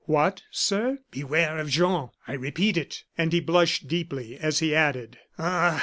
"What, sir?" "Beware of Jean. I repeat it." And he blushed deeply, as he added: "Ah!